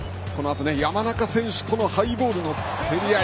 山中選手とのハイボールの競り合い。